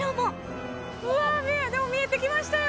うわあ見えてきましたよ！